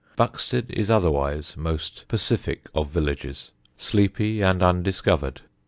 Buxted is otherwise most pacific of villages, sleepy and undiscovered.